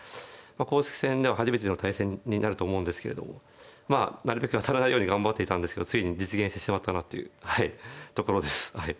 公式戦では初めての対戦になると思うんですけれどもまあなるべく当たらないように頑張っていたんですけどついに実現してしまったなというところですはい。